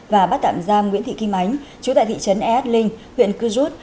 và bắt tạm giam nguyễn thị kim ánh chú tại thị trấn e at linh huyện cư rút